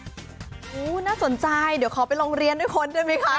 โอ้โหน่าสนใจเดี๋ยวขอไปโรงเรียนด้วยคนได้ไหมคะ